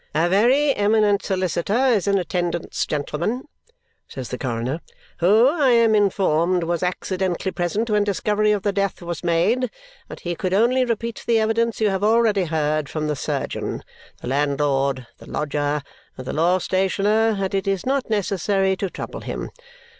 "A very eminent solicitor is in attendance, gentlemen," says the coroner, "who, I am informed, was accidentally present when discovery of the death was made, but he could only repeat the evidence you have already heard from the surgeon, the landlord, the lodger, and the law stationer, and it is not necessary to trouble him.